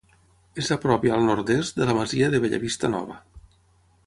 És a prop i al nord-est de la masia de Bellavista Nova.